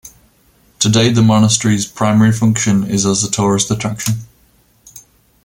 Today the monastery's primary function is as a tourist attraction.